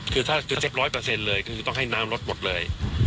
คือต้องให้น้ำลดหมดเลย